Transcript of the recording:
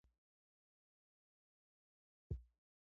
هغه د واک بقا غوره کړه.